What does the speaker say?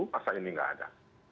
masa ini nggak ada